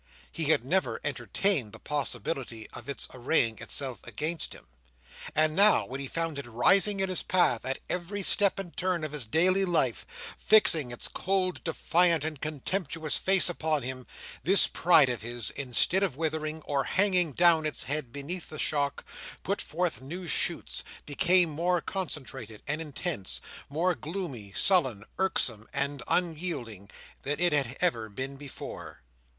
He had never entertained the possibility of its arraying itself against him. And now, when he found it rising in his path at every step and turn of his daily life, fixing its cold, defiant, and contemptuous face upon him, this pride of his, instead of withering, or hanging down its head beneath the shock, put forth new shoots, became more concentrated and intense, more gloomy, sullen, irksome, and unyielding, than it had ever been before.